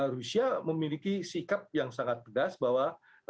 rusia memiliki sikap yang sangat pedas bahwa